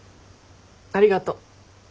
ありがとう。